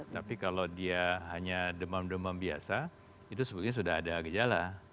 tapi kalau dia hanya demam demam biasa itu sebetulnya sudah ada gejala